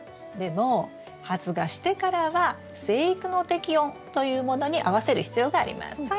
でも発芽してからは生育の適温というものに合わせる必要があります。